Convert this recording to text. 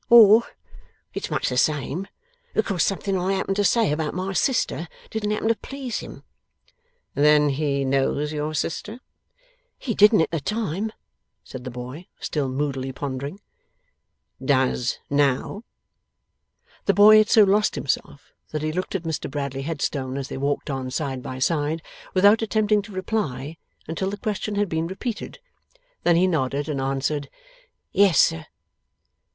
Or it's much the same because something I happened to say about my sister didn't happen to please him.' 'Then he knows your sister?' 'He didn't at that time,' said the boy, still moodily pondering. 'Does now?' The boy had so lost himself that he looked at Mr Bradley Headstone as they walked on side by side, without attempting to reply until the question had been repeated; then he nodded and answered, 'Yes, sir.